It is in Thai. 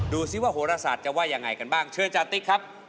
ดูสิว่าโหรศาสตร์จะว่ายังไงกันบ้างเชิญจาติ๊กครับ